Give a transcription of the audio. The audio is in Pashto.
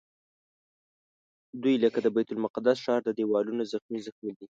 دوی لکه د بیت المقدس ښار د دیوالونو زخمي زخمي دي.